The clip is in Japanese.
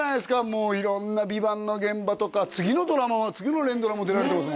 もう色んな「ＶＩＶＡＮＴ」の現場とか次のドラマ次の連ドラも出られてますもんね